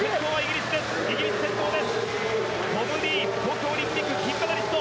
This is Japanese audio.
トム・ディーン東京オリンピック金メダリスト。